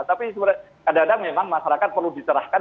tapi sebenarnya kadang kadang memang masyarakat perlu diserahkan